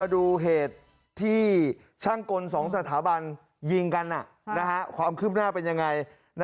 ดูเหตุที่ช่างกล๒สถาบันยิงกันความคืบหน้าเป็นยังไง